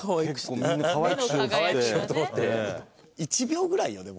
１秒ぐらいよでも。